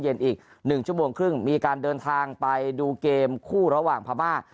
อีก๑ชั่วโมงครึ่งมีการเดินทางไปดูเกมคู่ระหว่างพม่า